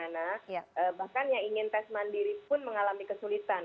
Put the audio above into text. karena bahkan yang ingin tes mandiri pun mengalami kesulitan